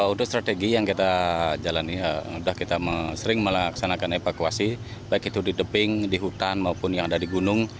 untuk strategi yang kita jalani sudah kita sering melaksanakan evakuasi baik itu di teping di hutan maupun yang ada di gunung